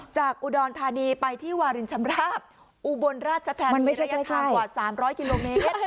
จากอุดรธานีไปที่วาลินชำราบอุบลราชธรรมิยะทางกว่า๓๐๐กิโลเมตร